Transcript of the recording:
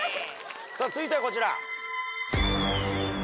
さぁ続いてはこちら。